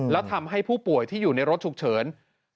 แล้วทำให้ผู้ป่วยที่อยู่ในรถฉุกเฉิน